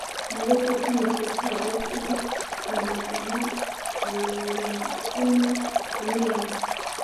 Mu rugo rw'imiseke hagati nyamagana-Ururimi mu menyo.